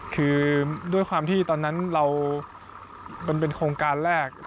คือด้วยความที่ตอนนั้นเรามันเป็นโครงการแรก